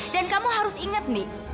dan kamu harus ingat ndi